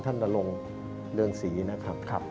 นรงเรืองศรีนะครับ